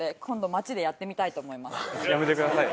やめてください。